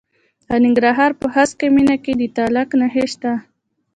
د ننګرهار په هسکه مینه کې د تالک نښې شته.